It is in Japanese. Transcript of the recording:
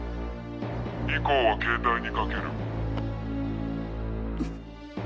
以降は携帯にかける。